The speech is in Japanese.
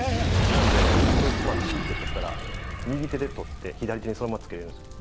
なんでこれをつまんでピッて取ったら右手で取って左手にそのままつけれるんですよ。